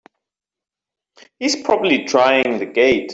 He's probably trying the gate!